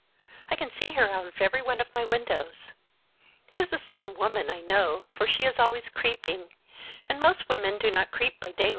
I can see her out of every one of my windows! It is the same woman, I know, for she is always creeping, and most women do not creep by daylight.